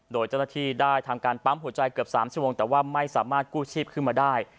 โดยเจ้าหน้าที่ได้ทำการปั๊มหัวใจเกือบ๓ชั่วโมงแต่ว่าไม่สามารถกู้ชีพขึ้นมาได้